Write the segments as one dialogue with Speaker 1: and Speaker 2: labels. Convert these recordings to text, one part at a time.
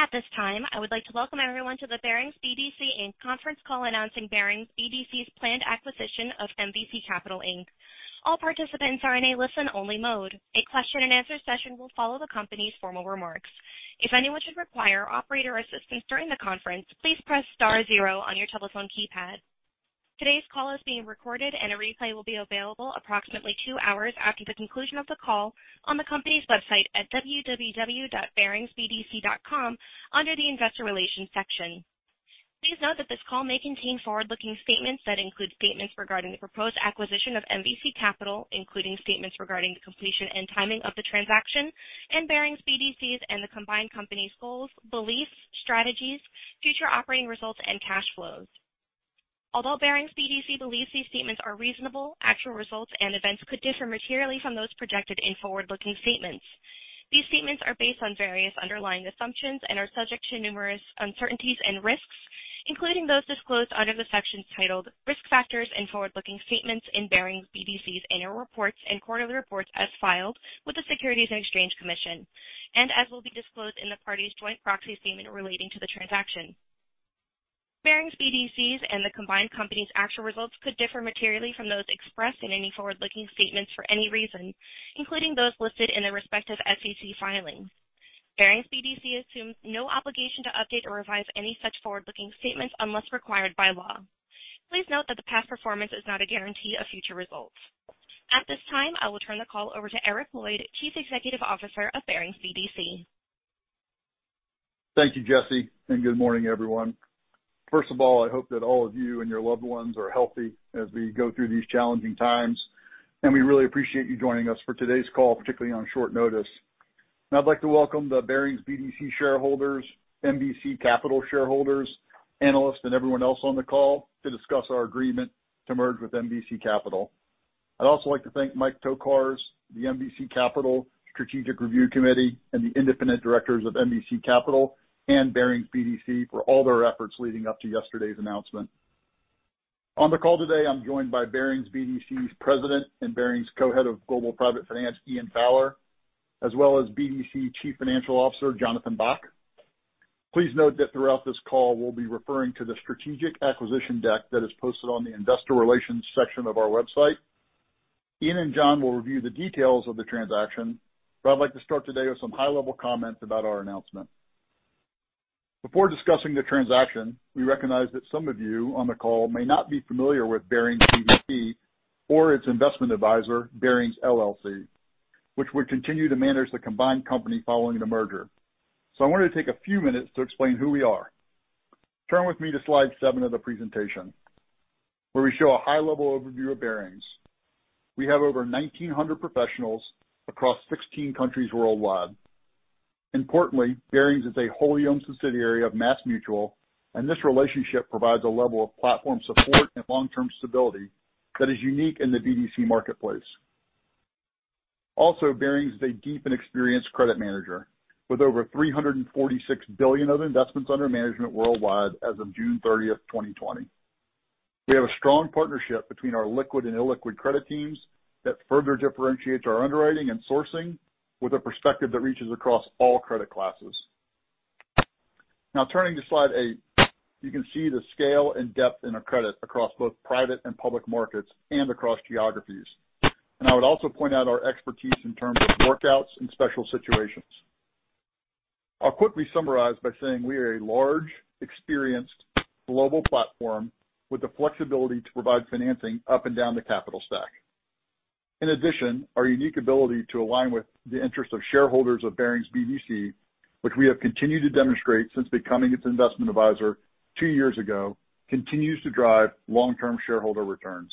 Speaker 1: At this time, I would like to welcome everyone to the Barings BDC, Inc. conference call announcing Barings BDC's planned acquisition of MVC Capital, Inc. All participants are in a listen-only mode. A question and answer session will follow the company's formal remarks. If anyone should require operator assistance during the conference, please press star zero on your telephone keypad. Today's call is being recorded, and a replay will be available approximately two hours after the conclusion of the call on the company's website at www.baringsbdc.com under the investor relations section. Please note that this call may contain forward-looking statements that include statements regarding the proposed acquisition of MVC Capital, including statements regarding the completion and timing of the transaction and Barings BDC's and the combined company's goals, beliefs, strategies, future operating results and cash flows. Although Barings BDC believes these statements are reasonable, actual results and events could differ materially from those projected in forward-looking statements. These statements are based on various underlying assumptions and are subject to numerous uncertainties and risks, including those disclosed under the sections titled Risk Factors and Forward-Looking Statements in Barings BDC's annual reports and quarterly reports as filed with the Securities and Exchange Commission, and as will be disclosed in the parties' joint proxy statement relating to the transaction. Barings BDC's and the combined company's actual results could differ materially from those expressed in any forward-looking statements for any reason, including those listed in the respective SEC filings. Barings BDC assumes no obligation to update or revise any such forward-looking statements unless required by law. Please note that the past performance is not a guarantee of future results. At this time, I will turn the call over to Eric Lloyd, Chief Executive Officer of Barings BDC.
Speaker 2: Thank you, Jesse. Good morning, everyone. First of all, I hope that all of you and your loved ones are healthy as we go through these challenging times, and we really appreciate you joining us for today's call, particularly on short notice. I would like to welcome the Barings BDC shareholders, MVC Capital shareholders, analysts, and everyone else on the call to discuss our agreement to merge with MVC Capital. I would also like to thank Michael Tokarz, the MVC Capital Strategic Review Committee, and the independent directors of MVC Capital and Barings BDC for all their efforts leading up to yesterday's announcement. On the call today, I'm joined by Barings BDC's President and Barings Co-head of Global Private Finance, Ian Fowler, as well as BDC Chief Financial Officer, Jonathan Bock. Please note that throughout this call, we will be referring to the strategic acquisition deck that is posted on the investor relations section of our website. Ian and John will review the details of the transaction, but I would like to start today with some high-level comments about our announcement. Before discussing the transaction, we recognize that some of you on the call may not be familiar with Barings BDC or its investment adviser, Barings LLC, which would continue to manage the combined company following the merger. I wanted to take a few minutes to explain who we are. Turn with me to slide seven of the presentation, where we show a high-level overview of Barings. We have over 1,900 professionals across 16 countries worldwide. Importantly, Barings is a wholly-owned subsidiary of MassMutual. This relationship provides a level of platform support and long-term stability that is unique in the BDC marketplace. Barings is a deep and experienced credit manager with over $346 billion of investments under management worldwide as of June 30, 2020. We have a strong partnership between our liquid and illiquid credit teams that further differentiates our underwriting and sourcing with a perspective that reaches across all credit classes. Turning to slide eight, you can see the scale and depth in our credit across both private and public markets and across geographies. I would also point out our expertise in terms of workouts and special situations. I'll quickly summarize by saying we are a large, experienced global platform with the flexibility to provide financing up and down the capital stack. Our unique ability to align with the interest of shareholders of Barings BDC, which we have continued to demonstrate since becoming its investment advisor two years ago, continues to drive long-term shareholder returns.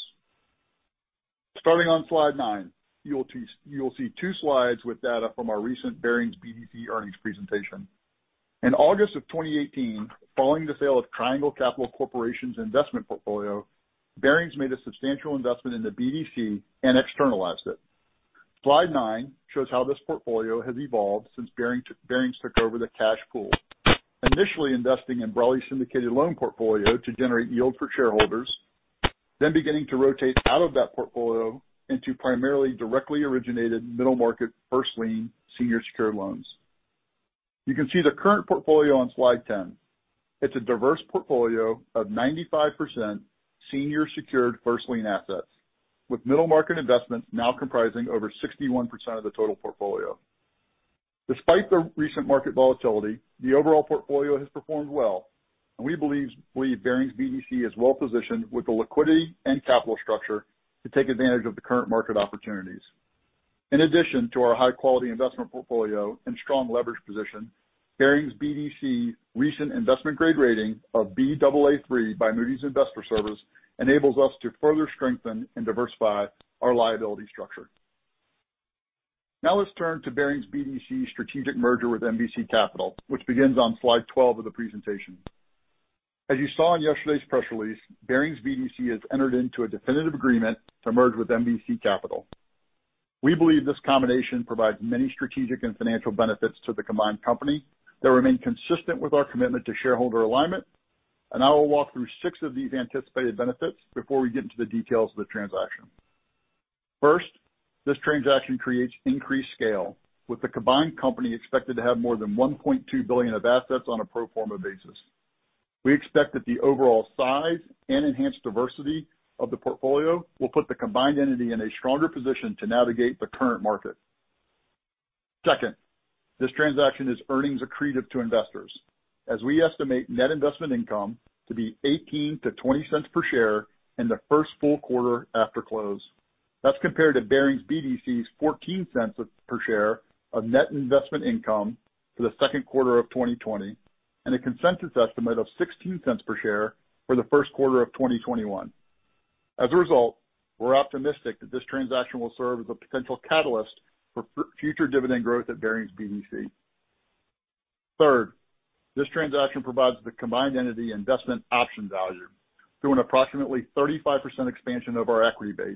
Speaker 2: Starting on slide nine, you will see two slides with data from our recent Barings BDC earnings presentation. In August of 2018, following the sale of Triangle Capital Corporation's investment portfolio, Barings made a substantial investment in the BDC and externalized it. Slide nine shows how this portfolio has evolved since Barings took over the cash pool, initially investing in broadly syndicated loan portfolio to generate yield for shareholders, then beginning to rotate out of that portfolio into primarily directly originated middle-market first lien, senior secured loans. You can see the current portfolio on slide 10. It's a diverse portfolio of 95% senior secured first lien assets, with middle market investments now comprising over 61% of the total portfolio. Despite the recent market volatility, the overall portfolio has performed well, and we believe Barings BDC is well-positioned with the liquidity and capital structure to take advantage of the current market opportunities. In addition to our high-quality investment portfolio and strong leverage position, Barings BDC recent investment-grade rating of Baa3 by Moody's Investors Service enables us to further strengthen and diversify our liability structure. Now let's turn to Barings BDC's strategic merger with MVC Capital, which begins on slide 12 of the presentation. As you saw in yesterday's press release, Barings BDC has entered into a definitive agreement to merge with MVC Capital. We believe this combination provides many strategic and financial benefits to the combined company that remain consistent with our commitment to shareholder alignment. I will walk through six of these anticipated benefits before we get into the details of the transaction. First, this transaction creates increased scale, with the combined company expected to have more than $1.2 billion of assets on a pro forma basis. We expect that the overall size and enhanced diversity of the portfolio will put the combined entity in a stronger position to navigate the current market. Second, this transaction is earnings accretive to investors, as we estimate Net Investment Income to be $0.18 to $0.20 per share in the first full quarter after close. That's compared to Barings BDC's $0.14 per share of net investment income for the second quarter of 2020, and a consensus estimate of $0.16 per share for the first quarter of 2021. As a result, we're optimistic that this transaction will serve as a potential catalyst for future dividend growth at Barings BDC. Third, this transaction provides the combined entity investment option value through an approximately 35% expansion of our equity base,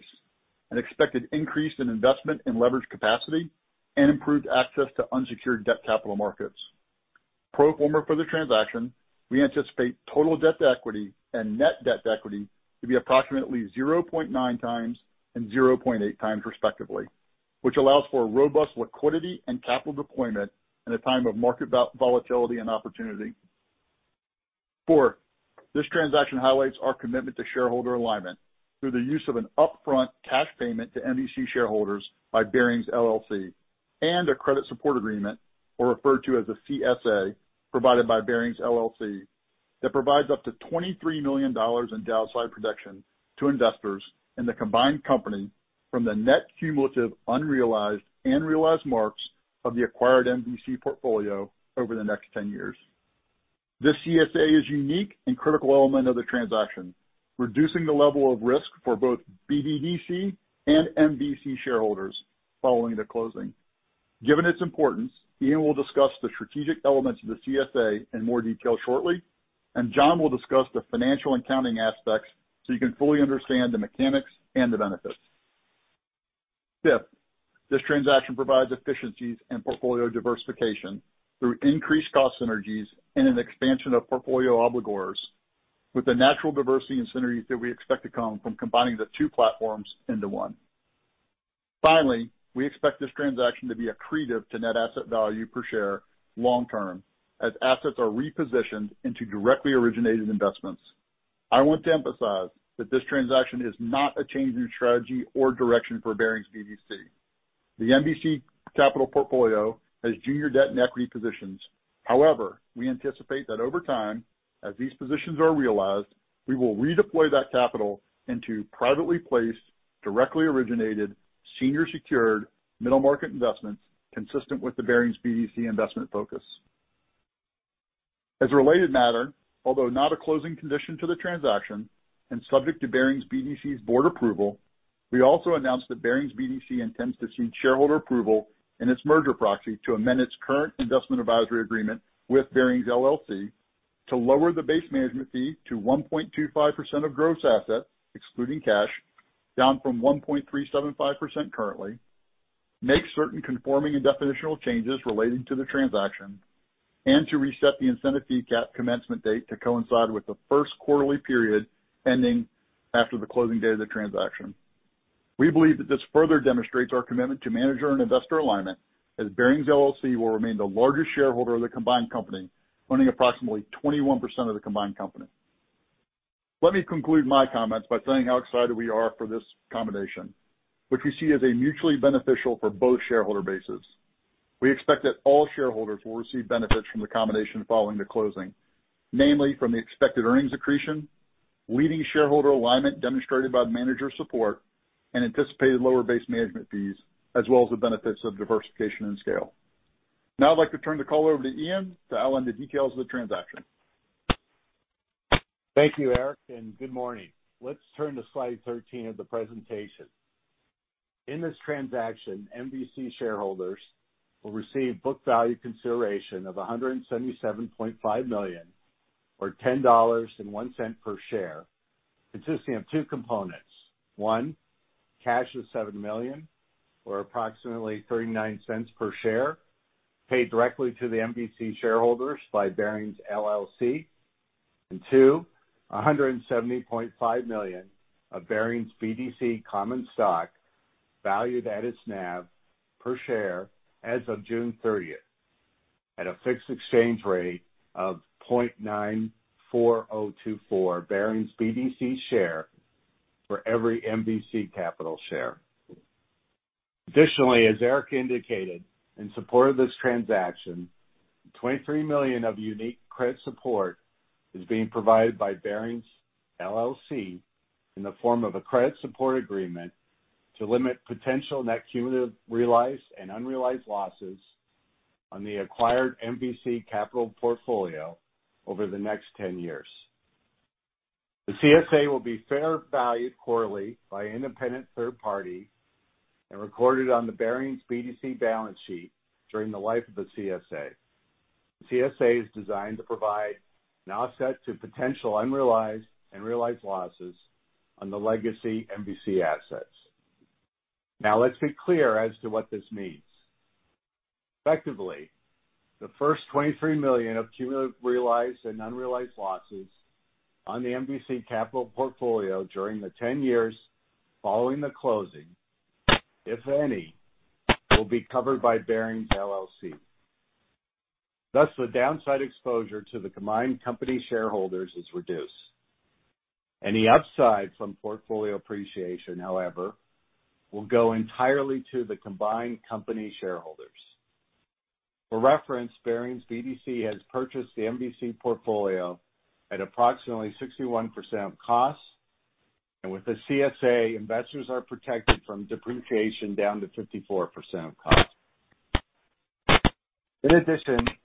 Speaker 2: an expected increase in investment and leverage capacity, and improved access to unsecured debt capital markets. Pro forma for the transaction, we anticipate total debt to equity and net debt to equity to be approximately 0.9 times and 0.8 times respectively, which allows for a robust liquidity and capital deployment in a time of market volatility and opportunity. Fourth, this transaction highlights our commitment to shareholder alignment through the use of an upfront cash payment to MVC shareholders by Barings LLC, and a credit support agreement, or referred to as a CSA, provided by Barings LLC that provides up to $23 million in downside protection to investors in the combined company from the net cumulative unrealized and realized marks of the acquired MVC portfolio over the next 10 years. This CSA is a unique and critical element of the transaction, reducing the level of risk for both BBDC and MVC shareholders following the closing. Given its importance, Ian will discuss the strategic elements of the CSA in more detail shortly, and John will discuss the financial and accounting aspects so you can fully understand the mechanics and the benefits. Fifth, this transaction provides efficiencies and portfolio diversification through increased cost synergies and an expansion of portfolio obligors with the natural diversity and synergies that we expect to come from combining the two platforms into one. Finally, we expect this transaction to be accretive to net asset value per share long term as assets are repositioned into directly originated investments. I want to emphasize that this transaction is not a change in strategy or direction for Barings BDC. The MVC Capital portfolio has junior debt and equity positions. However, we anticipate that over time, as these positions are realized, we will redeploy that capital into privately placed, directly originated, senior secured middle market investments consistent with the Barings BDC investment focus. As a related matter, although not a closing condition to the transaction and subject to Barings BDC's board approval, we also announced that Barings BDC intends to seek shareholder approval in its merger proxy to amend its current investment advisory agreement with Barings LLC to lower the base management fee to 1.25% of gross assets, excluding cash, down from 1.375% currently, make certain conforming and definitional changes relating to the transaction, and to reset the incentive fee cap commencement date to coincide with the first quarterly period ending after the closing date of the transaction. We believe that this further demonstrates our commitment to manager and investor alignment, as Barings LLC will remain the largest shareholder of the combined company, owning approximately 21% of the combined company. Let me conclude my comments by saying how excited we are for this combination, which we see as mutually beneficial for both shareholder bases. We expect that all shareholders will receive benefits from the combination following the closing, namely from the expected earnings accretion, leading shareholder alignment demonstrated by the manager support, and anticipated lower base management fees, as well as the benefits of diversification and scale. Now I'd like to turn the call over to Ian to outline the details of the transaction.
Speaker 3: Thank you, Eric, and good morning. Let's turn to slide 13 of the presentation. In this transaction, MVC shareholders will receive book value consideration of $177.5 million, or $10.01 per share, consisting of two components. One, cash of $7 million, or approximately $0.39 per share, paid directly to the MVC shareholders by Barings LLC. Two, $170.5 million of Barings BDC common stock valued at its NAV per share as of June 30 at a fixed exchange rate of 0.94024 Barings BDC share for every MVC Capital share. Additionally, as Eric indicated, in support of this transaction, $23 million of unique credit support is being provided by Barings LLC in the form of a credit support agreement to limit potential net cumulative realized and unrealized losses on the acquired MVC Capital portfolio over the next 10 years. The CSA will be fair valued quarterly by independent third party and recorded on the Barings BDC balance sheet during the life of the CSA. The CSA is designed to provide an offset to potential unrealized and realized losses on the legacy MVC assets. Now let's be clear as to what this means. Effectively, the first $23 million of cumulative realized and unrealized losses on the MVC Capital portfolio during the 10 years following the closing, if any, will be covered by Barings LLC. Thus the downside exposure to the combined company shareholders is reduced. Any upside from portfolio appreciation, however, will go entirely to the combined company shareholders. For reference, Barings BDC has purchased the MVC portfolio at approximately 61% of cost, and with the CSA, investors are protected from depreciation down to 54% of cost.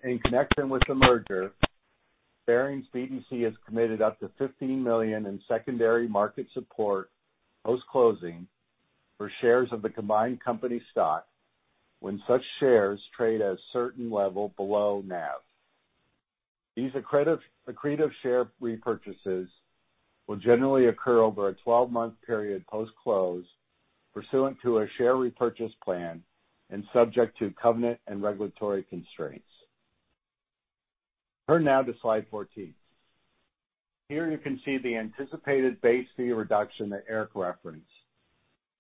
Speaker 3: In connection with the merger, Barings BDC has committed up to $15 million in secondary market support post-closing for shares of the combined company stock when such shares trade at a certain level below NAV. These accretive share repurchases will generally occur over a 12-month period post-close, pursuant to a share repurchase plan and subject to covenant and regulatory constraints. Turn now to slide 14. Here you can see the anticipated base fee reduction that Eric referenced,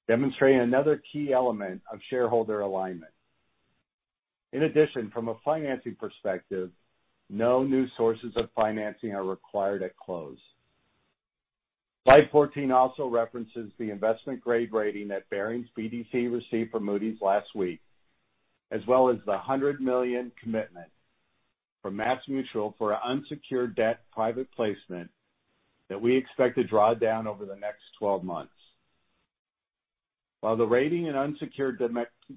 Speaker 3: demonstrating another key element of shareholder alignment. From a financing perspective, no new sources of financing are required at close. Slide 14 also references the investment-grade rating that Barings BDC received from Moody's last week, as well as the $100 million commitment from MassMutual for an unsecured debt private placement that we expect to draw down over the next 12 months. While the rating and unsecured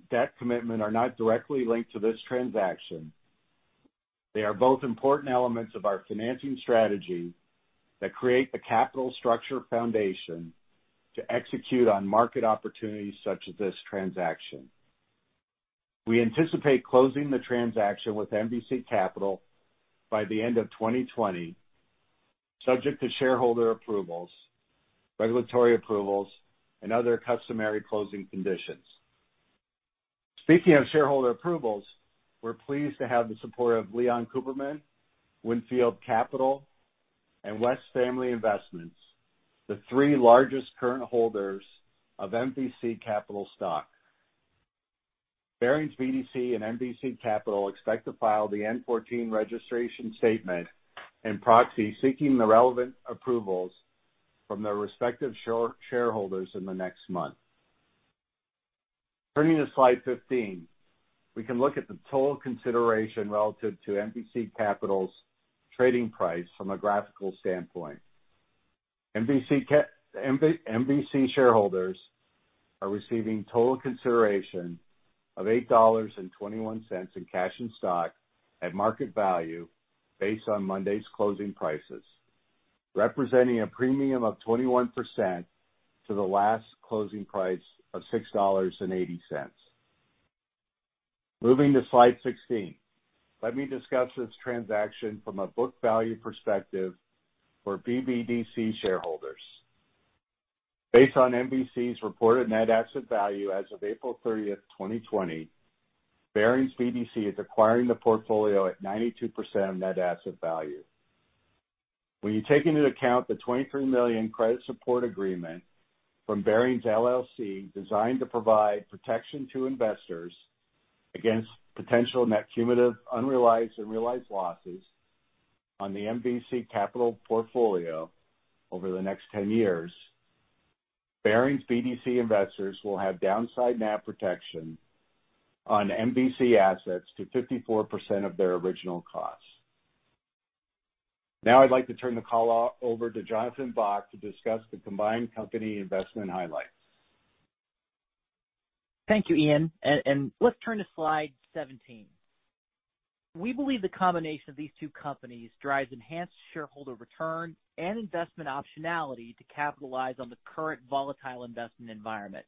Speaker 3: debt commitment are not directly linked to this transaction, they are both important elements of our financing strategy that create the capital structure foundation to execute on market opportunities such as this transaction. We anticipate closing the transaction with MVC Capital by the end of 2020, subject to shareholder approvals, regulatory approvals, and other customary closing conditions. Speaking of shareholder approvals, we're pleased to have the support of Leon Cooperman, Wynnefield Capital, and West Family Investments, the three largest current holders of MVC Capital stock. Barings BDC and MVC Capital expect to file the N-14 registration statement and proxy seeking the relevant approvals from their respective shareholders in the next month. Turning to slide 15, we can look at the total consideration relative to MVC Capital's trading price from a graphical standpoint. MVC shareholders are receiving total consideration of $8.21 in cash and stock at market value based on Monday's closing prices, representing a premium of 21% to the last closing price of $6.80. Moving to slide 16, let me discuss this transaction from a book value perspective for BBDC shareholders. Based on MVC's reported net asset value as of April 30, 2020, Barings BDC is acquiring the portfolio at 92% of net asset value. When you take into account the $23 million credit support agreement from Barings LLC, designed to provide protection to investors against potential net cumulative unrealized and realized losses on the MVC Capital portfolio over the next 10 years, Barings BDC investors will have downside NAV protection on MVC assets to 54% of their original cost. Now I'd like to turn the call over to Jonathan Bock to discuss the combined company investment highlights.
Speaker 4: Thank you, Ian. Let's turn to slide 17. We believe the combination of these two companies drives enhanced shareholder return and investment optionality to capitalize on the current volatile investment environment.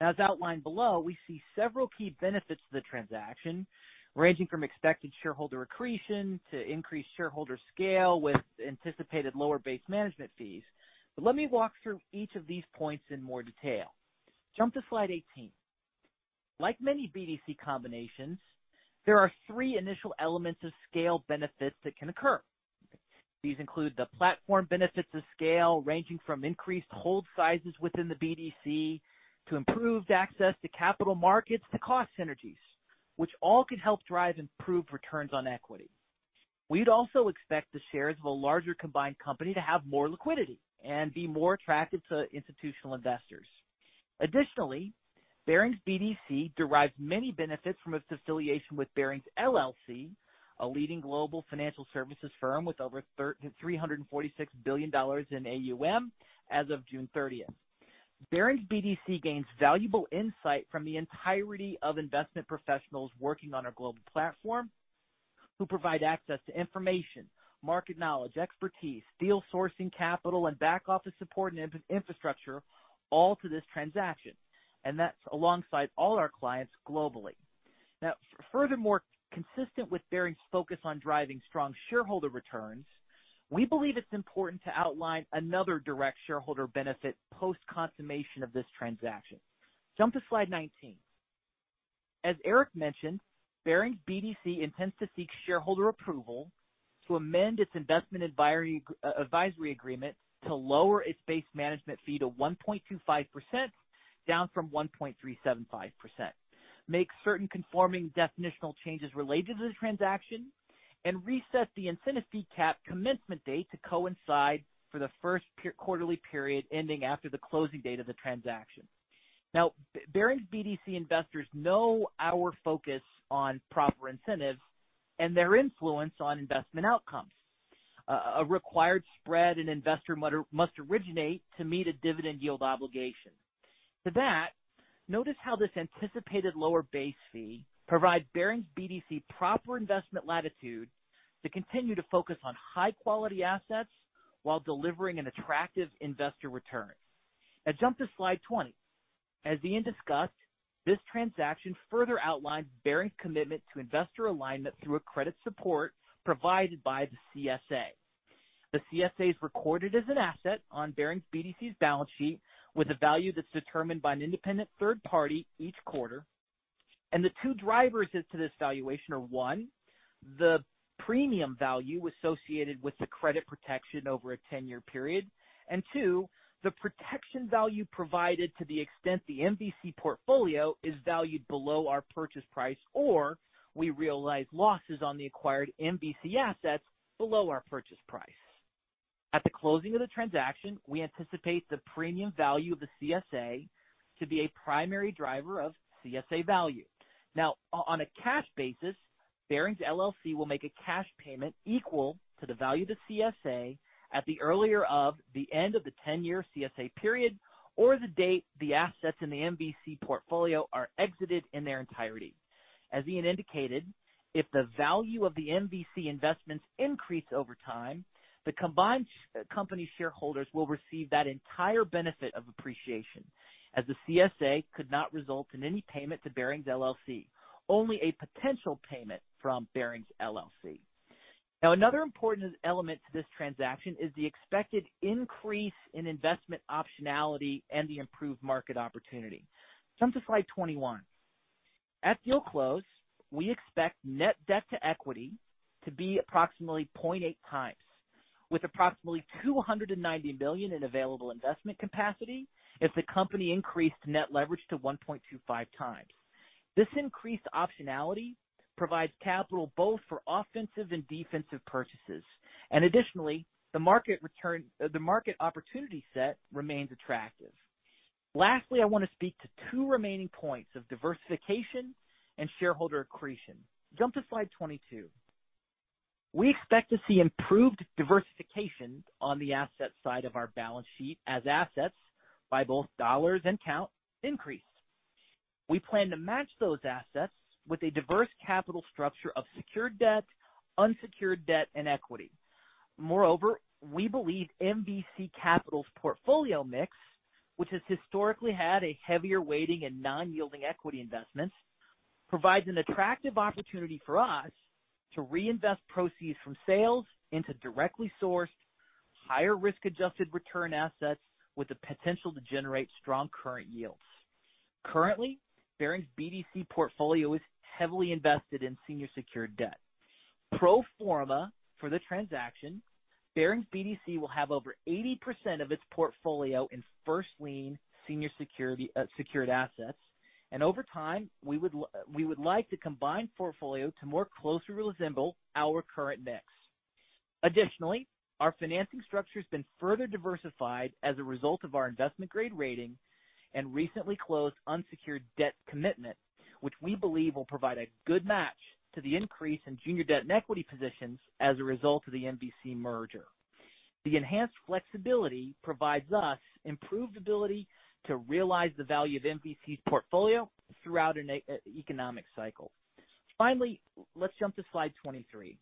Speaker 4: As outlined below, we see several key benefits to the transaction, ranging from expected shareholder accretion to increased shareholder scale with anticipated lower base management fees. Let me walk through each of these points in more detail. Jump to slide 18. Like many BDC combinations, there are three initial elements of scale benefits that can occur. These include the platform benefits of scale, ranging from increased hold sizes within the BDC to improved access to capital markets to cost synergies, which all can help drive improved returns on equity. We'd also expect the shares of a larger combined company to have more liquidity and be more attractive to institutional investors. Barings BDC derives many benefits from its affiliation with Barings LLC, a leading global financial services firm with over $346 billion in AUM as of June 30. Barings BDC gains valuable insight from the entirety of investment professionals working on our global platform, who provide access to information, market knowledge, expertise, deal sourcing capital, and back office support and infrastructure, all to this transaction. That's alongside all our clients globally. Furthermore, consistent with Barings' focus on driving strong shareholder returns. We believe it's important to outline another direct shareholder benefit post-consummation of this transaction. Jump to slide 19. As Eric mentioned, Barings BDC intends to seek shareholder approval to amend its investment advisory agreement to lower its base management fee to 1.25%, down from 1.375%, make certain conforming definitional changes related to the transaction, and reset the incentive fee cap commencement date to coincide for the first quarterly period ending after the closing date of the transaction. Barings BDC investors know our focus on proper incentives and their influence on investment outcomes. A required spread an investor must originate to meet a dividend yield obligation. To that, notice how this anticipated lower base fee provides Barings BDC proper investment latitude to continue to focus on high-quality assets while delivering an attractive investor return. Jump to slide 20. As Ian discussed, this transaction further outlines Barings' commitment to investor alignment through a credit support provided by the CSA. The CSA is recorded as an asset on Barings BDC's balance sheet with a value that's determined by an independent third party each quarter. The two drivers to this valuation are, one, the premium value associated with the credit protection over a 10-year period, and two, the protection value provided to the extent the MVC portfolio is valued below our purchase price, or we realize losses on the acquired MVC assets below our purchase price. At the closing of the transaction, we anticipate the premium value of the CSA to be a primary driver of CSA value. Now, on a cash basis, Barings LLC will make a cash payment equal to the value of the CSA at the earlier of the end of the 10-year CSA period or the date the assets in the MVC portfolio are exited in their entirety. As Ian indicated, if the value of the MVC investments increase over time, the combined company shareholders will receive that entire benefit of appreciation, as the CSA could not result in any payment to Barings LLC, only a potential payment from Barings LLC. Now another important element to this transaction is the expected increase in investment optionality and the improved market opportunity. Jump to slide 21. At deal close, we expect net debt to equity to be approximately 0.8 times, with approximately $290 million in available investment capacity if the company increased net leverage to 1.25 times. This increased optionality provides capital both for offensive and defensive purchases, and additionally, the market opportunity set remains attractive. Lastly, I want to speak to two remaining points of diversification and shareholder accretion. Jump to slide 22. We expect to see improved diversification on the asset side of our balance sheet as assets by both dollars and count increase. We plan to match those assets with a diverse capital structure of secured debt, unsecured debt, and equity. Moreover, we believe MVC Capital's portfolio mix, which has historically had a heavier weighting in non-yielding equity investments, provides an attractive opportunity for us to reinvest proceeds from sales into directly sourced, higher risk-adjusted return assets with the potential to generate strong current yields. Currently, Barings BDC portfolio is heavily invested in senior secured debt. Pro forma for the transaction, Barings BDC will have over 80% of its portfolio in first-lien secured assets, and over time, we would like the combined portfolio to more closely resemble our current mix. Additionally, our financing structure has been further diversified as a result of our investment-grade rating and recently closed unsecured debt commitment, which we believe will provide a good match to the increase in junior debt and equity positions as a result of the MVC merger. The enhanced flexibility provides us improved ability to realize the value of MVC's portfolio throughout an economic cycle. Finally, let's jump to slide 23.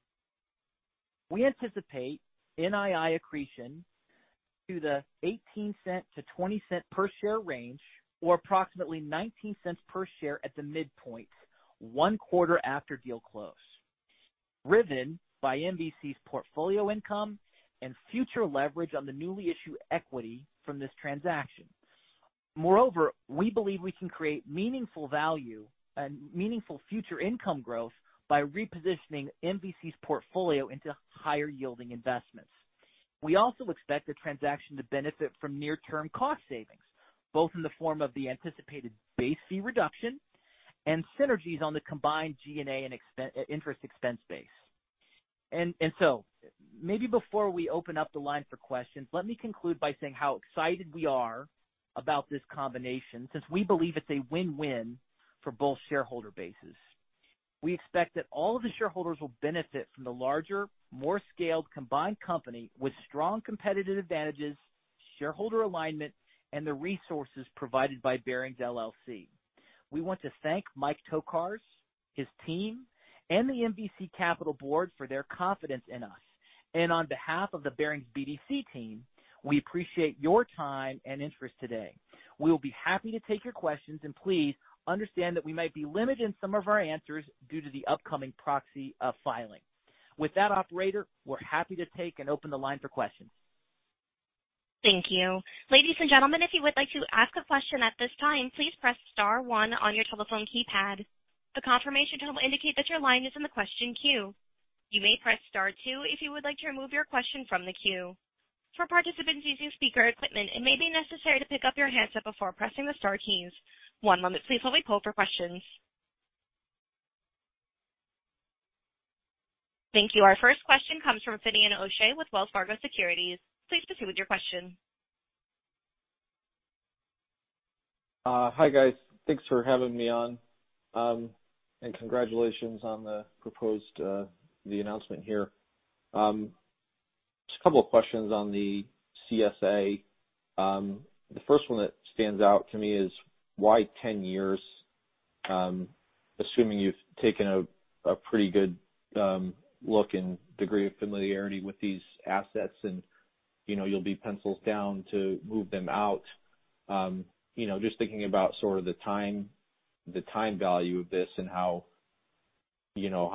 Speaker 4: We anticipate NII accretion to the $0.18 to $0.20 per share range, or approximately $0.19 per share at the midpoint one quarter after deal close, driven by MVC's portfolio income and future leverage on the newly issued equity from this transaction. Moreover, we believe we can create meaningful future income growth by repositioning MVC's portfolio into higher-yielding investments. We also expect the transaction to benefit from near-term cost savings, both in the form of the anticipated base fee reduction and synergies on the combined G&A and interest expense base. Maybe before we open up the line for questions, let me conclude by saying how excited we are about this combination since we believe it's a win-win for both shareholder bases. We expect that all of the shareholders will benefit from the larger, more scaled combined company with strong competitive advantages, shareholder alignment, and the resources provided by Barings LLC. We want to thank Mike Tokarz, his team, and the MVC Capital board for their confidence in us. On behalf of the Barings BDC team, we appreciate your time and interest today. We will be happy to take your questions, and please understand that we might be limited in some of our answers due to the upcoming proxy filing. With that, operator, we're happy to take and open the line for questions.
Speaker 1: Thank you. Ladies and gentlemen, if you would like to ask a question at this time, please press star one on your telephone keypad. A confirmation tone will indicate that your line is in the question queue. You may press star two if you would like to remove your question from the queue. For participants using speaker equipment, it may be necessary to pick up your handset before pressing the star keys. One moment please while we poll for questions. Thank you. Our first question comes from Finian O'Shea with Wells Fargo Securities. Please proceed with your question.
Speaker 5: Hi, guys. Thanks for having me on, and congratulations on the announcement here. Just a couple of questions on the CSA. The first one that stands out to me is why 10 years? Assuming you have taken a pretty good look and degree of familiarity with these assets and you'll be pencils down to move them out. Just thinking about sort of the time value of this and how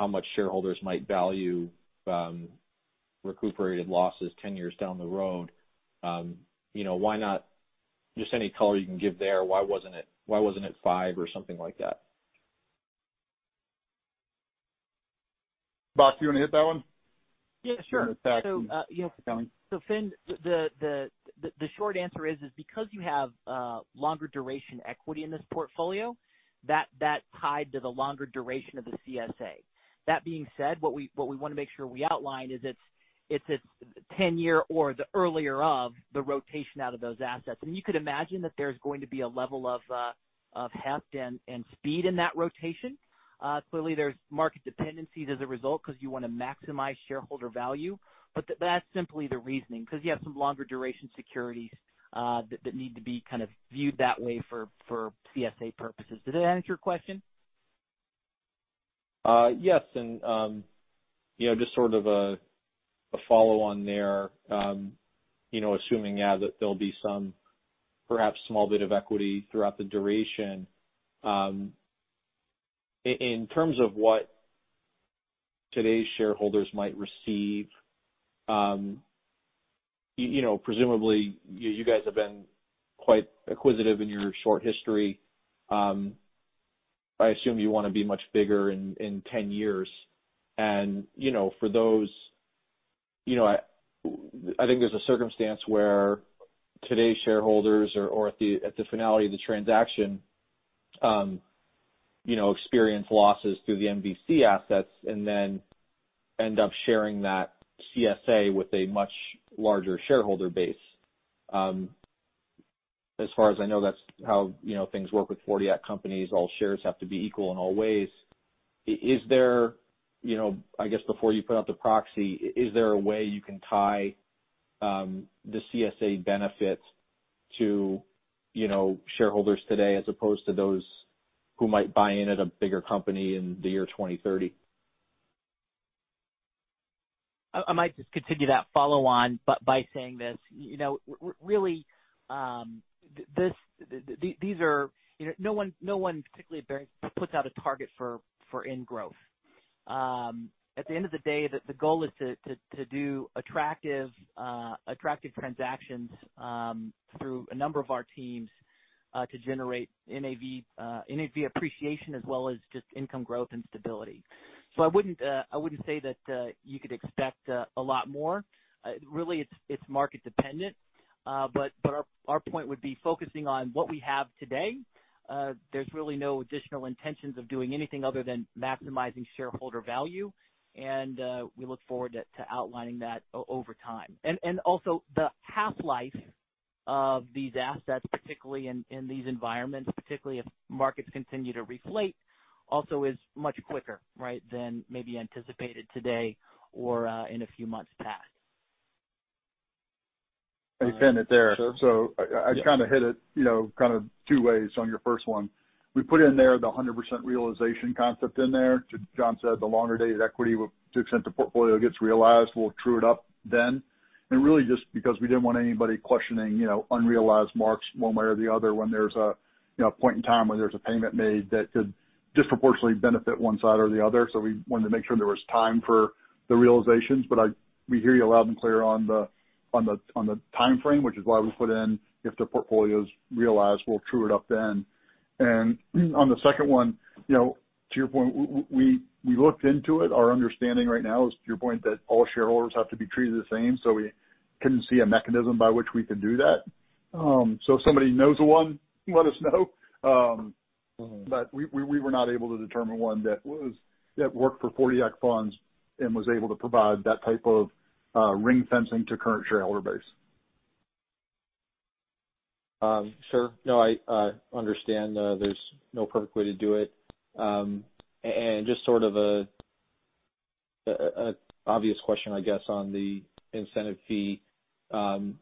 Speaker 5: much shareholders might value recuperated losses 10 years down the road. Just any color you can give there. Why wasn't it five or something like that?
Speaker 2: Bock, you want to hit that one?
Speaker 4: Yeah, sure.
Speaker 2: You want to tackle?
Speaker 4: Finian, the short answer is because you have longer duration equity in this portfolio, that tied to the longer duration of the CSA. That being said, what we want to make sure we outline is it's a 10-year or the earlier of the rotation out of those assets. You could imagine that there's going to be a level of heft and speed in that rotation. Clearly, there's market dependencies as a result because you want to maximize shareholder value. That's simply the reasoning, because you have some longer duration securities that need to be kind of viewed that way for CSA purposes. Does that answer your question?
Speaker 5: Yes. Just sort of a follow on there. Assuming that there'll be some perhaps small bit of equity throughout the duration. In terms of what today's shareholders might receive, presumably you guys have been quite acquisitive in your short history. I assume you want to be much bigger in 10 years. For those, I think there's a circumstance where today's shareholders or at the finality of the transaction experience losses through the MVC assets and then end up sharing that CSA with a much larger shareholder base. As far as I know, that's how things work with 40 Act companies. All shares have to be equal in all ways. I guess before you put out the proxy, is there a way you can tie the CSA benefit to shareholders today as opposed to those who might buy in at a bigger company in the year 2030?
Speaker 4: I might just continue that follow on by saying this. No one, particularly at Barings, puts out a target for end growth. At the end of the day, the goal is to do attractive transactions through a number of our teams to generate NAV appreciation as well as just income growth and stability. I wouldn't say that you could expect a lot more. Really it's market dependent. Our point would be focusing on what we have today. There's really no additional intentions of doing anything other than maximizing shareholder value. We look forward to outlining that over time. Also the half-life of these assets, particularly in these environments, particularly if markets continue to reflate, also is much quicker than maybe anticipated today or in a few months past.
Speaker 2: I'd pin it there. I kind of hit it kind of two ways on your first one. We put in there the 100% realization concept in there. To John said, the longer dated equity, to the extent the portfolio gets realized, we'll true it up then. Really just because we didn't want anybody questioning unrealized marks one way or the other when there's a point in time where there's a payment made that could disproportionately benefit one side or the other. We wanted to make sure there was time for the realizations. We hear you loud and clear on the timeframe, which is why we put in if the portfolio's realized, we'll true it up then. On the second one, to your point, we looked into it. Our understanding right now is to your point, that all shareholders have to be treated the same. We couldn't see a mechanism by which we could do that. If somebody knows of one, let us know. We were not able to determine one that worked for 40 Act funds and was able to provide that type of ring fencing to current shareholder base.
Speaker 5: Sure. No, I understand there's no perfect way to do it. Just sort of an obvious question, I guess, on the incentive fee. I'm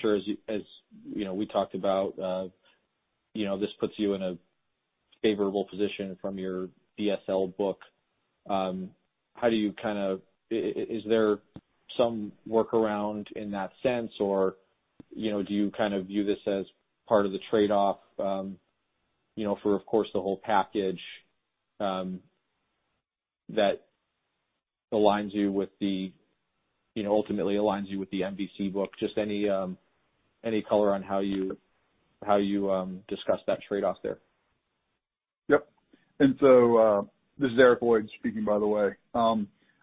Speaker 5: sure as we talked about this puts you in a favorable position from your BSL book. Is there some workaround in that sense? Do you kind of view this as part of the trade-off for, of course, the whole package? That ultimately aligns you with the MVC book. Just any color on how you discuss that trade-off there?
Speaker 2: Yep. This is Eric Lloyd speaking, by the way.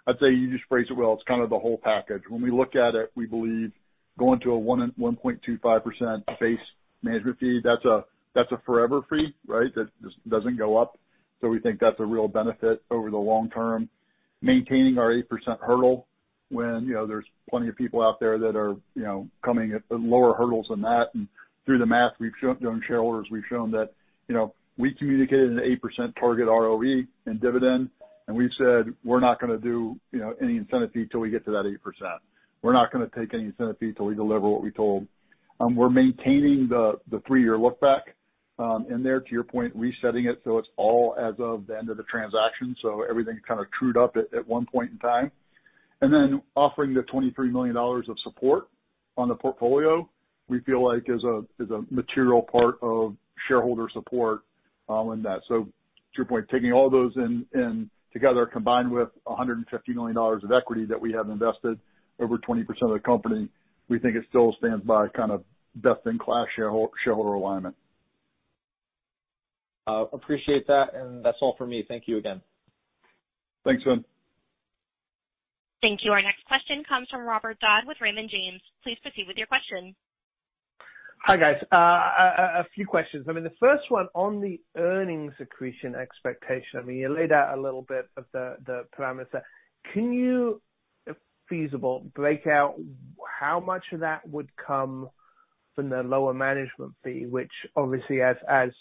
Speaker 2: I'd say you just phrased it well. It's kind of the whole package. When we look at it, we believe going to a 1.25% base management fee, that's a forever fee, right? That just doesn't go up. We think that's a real benefit over the long term. Maintaining our 8% hurdle when there's plenty of people out there that are coming at lower hurdles than that. Through the math, to our shareholders, we've shown that we communicated an 8% target ROE and dividend, and we've said we're not going to do any incentive fee till we get to that 8%. We're not going to take any incentive fee till we deliver what we told. We're maintaining the three-year look back in there, to your point, resetting it so it's all as of the end of the transaction, so everything kind of trued up at one point in time. Offering the $23 million of support on the portfolio, we feel like is a material part of shareholder support in that. To your point, taking all those in together, combined with $150 million of equity that we have invested over 20% of the company, we think it still stands by kind of best in class shareholder alignment.
Speaker 5: Appreciate that. That's all for me. Thank you again.
Speaker 2: Thanks, man.
Speaker 1: Thank you. Our next question comes from Robert Dodd with Raymond James. Please proceed with your question.
Speaker 6: Hi, guys. A few questions. I mean, the first one on the earnings accretion expectation, I mean, you laid out a little bit of the parameters there. Can you, if feasible, break out how much of that would come from the lower management fee, which obviously, as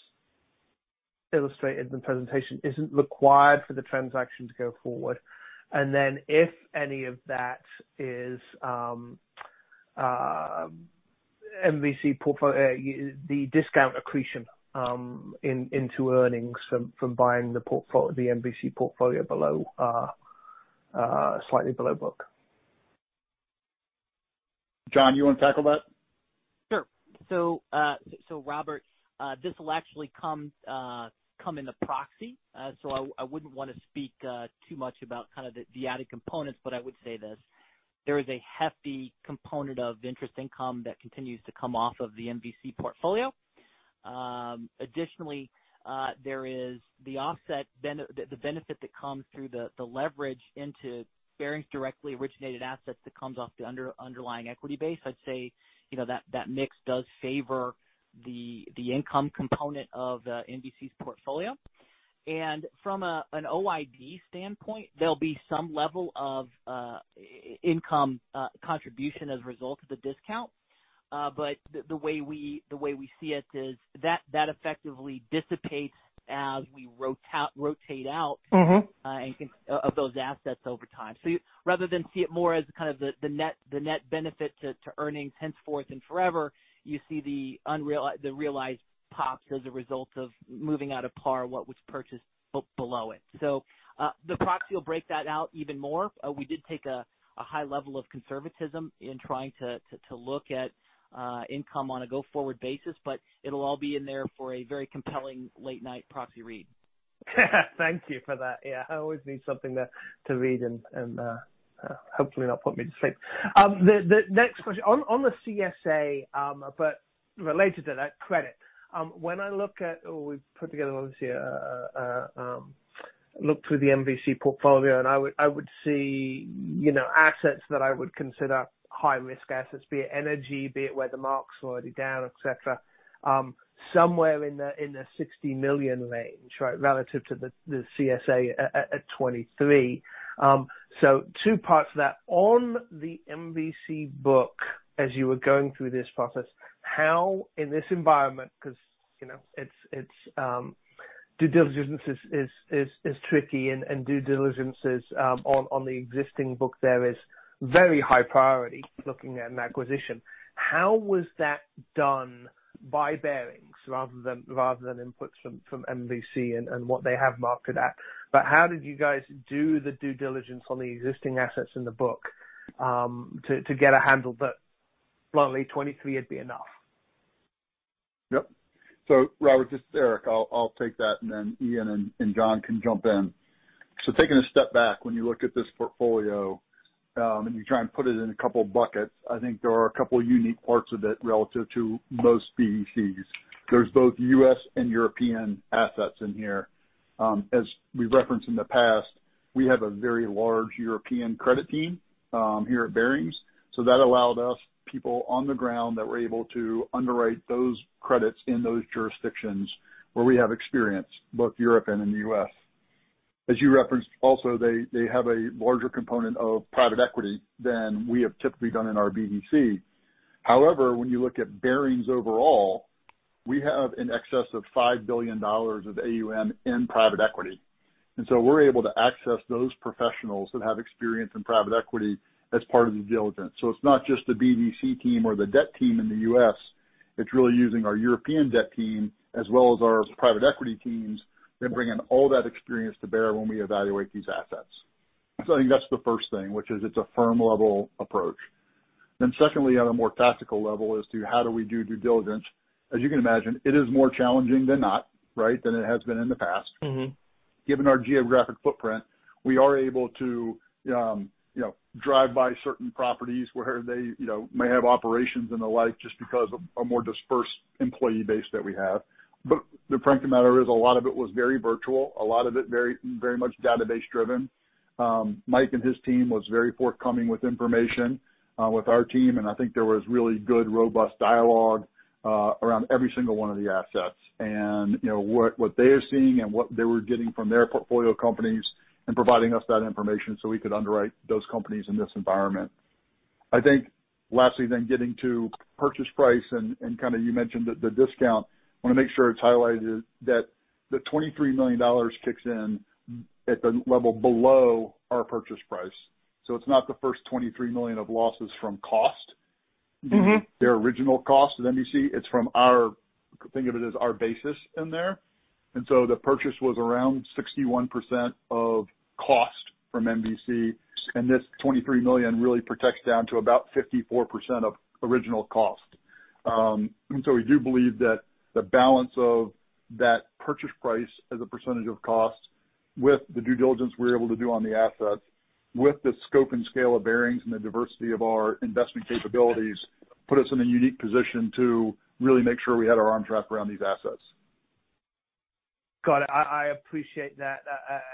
Speaker 6: illustrated in the presentation, isn't required for the transaction to go forward. Then if any of that is MVC portfolio, the discount accretion into earnings from buying the MVC portfolio slightly below book.
Speaker 2: John, you want to tackle that?
Speaker 4: Sure. Robert, this will actually come in the proxy. I wouldn't want to speak too much about kind of the added components, but I would say this, there is a hefty component of interest income that continues to come off of the MVC portfolio. Additionally, there is the offset, the benefit that comes through the leverage into Barings directly originated assets that comes off the underlying equity base. I'd say that mix does favor the income component of MVC's portfolio. From an OID standpoint, there'll be some level of income contribution as a result of the discount. The way we see it is that effectively dissipates as we rotate out. of those assets over time. Rather than see it more as kind of the net benefit to earnings henceforth and forever, you see the realized pops as a result of moving out of par what was purchased below it. The proxy will break that out even more. We did take a high level of conservatism in trying to look at income on a go-forward basis, but it'll all be in there for a very compelling late-night proxy read.
Speaker 6: Thank you for that. Yeah, I always need something to read and hopefully not put me to sleep. The next question, on the CSA, but related to that credit. When I look at, or we put together, obviously, looked through the MVC portfolio and I would see assets that I would consider high risk assets, be it energy, be it where the mark's already down, et cetera, somewhere in the $60 million range relative to the CSA at $23. Two parts to that. On the MVC book, as you were going through this process, how in this environment, because due diligence is tricky and due diligence on the existing book there is very high priority looking at an acquisition. How was that done by Barings rather than inputs from MVC and what they have marked it at? How did you guys do the due diligence on the existing assets in the book to get a handle that bluntly 23 would be enough?
Speaker 2: Yep. Robert, this is Eric. I will take that and then Ian and John can jump in. Taking a step back, when you look at this portfolio, and you try and put it in a couple of buckets, I think there are a couple of unique parts of it relative to most BDCs. There's both U.S. and European assets in here. As we referenced in the past, we have a very large European credit team here at Barings. That allowed us people on the ground that were able to underwrite those credits in those jurisdictions where we have experience, both Europe and in the U.S. As you referenced also, they have a larger component of private equity than we have typically done in our BDC. When you look at Barings overall, we have in excess of $5 billion of AUM in private equity, we're able to access those professionals that have experience in private equity as part of the diligence. It's not just the BDC team or the debt team in the U.S., it's really using our European debt team as well as our private equity teams and bringing all that experience to bear when we evaluate these assets. I think that's the first thing, which is it's a firm-level approach. Secondly, on a more tactical level as to how do we do due diligence, as you can imagine, it is more challenging than not, right, than it has been in the past. Given our geographic footprint, we are able to drive by certain properties where they may have operations and the like, just because of a more dispersed employee base that we have. The fact of the matter is, a lot of it was very virtual, a lot of it very much database-driven. Mike and his team was very forthcoming with information with our team, and I think there was really good, robust dialogue around every single one of the assets and what they are seeing and what they were getting from their portfolio companies and providing us that information so we could underwrite those companies in this environment. I think lastly then, getting to purchase price and you mentioned the discount. I want to make sure it's highlighted that the $23 million kicks in at the level below our purchase price. It's not the first $23 million of losses from cost. Their original cost at MVC, it's from our think of it as our basis in there. The purchase was around 61% of cost from MVC, and this $23 million really protects down to about 54% of original cost. We do believe that the balance of that purchase price as a percentage of cost with the due diligence we were able to do on the assets, with the scope and scale of Barings and the diversity of our investment capabilities, put us in a unique position to really make sure we had our arms wrapped around these assets.
Speaker 6: Got it. I appreciate that,